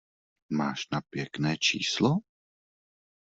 Máš na pěkné číslo?